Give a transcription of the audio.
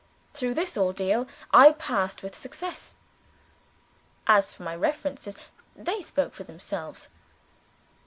Through this ordeal I passed with success. As for my references, they spoke for themselves.